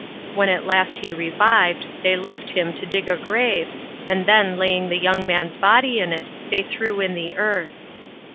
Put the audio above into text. When at last he revived, they left him to dig a grave, and then laying the young man's body in it, they threw in the earth.